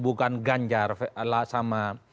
bukan ganjar sama